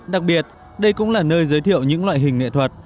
đặc biệt đây cũng là nơi giới thiệu những loại hình nghệ thuật